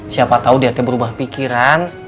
siapa tau dia terberubah pikiran